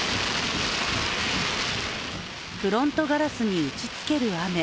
フロントガラスに打ちつける雨。